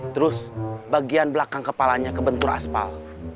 terus bagian belakang kepalanya kebentur aspal